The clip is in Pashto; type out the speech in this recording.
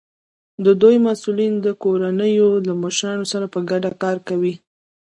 د دوی مسؤلین د کورنیو له مشرانو سره په ګډه کار کوي.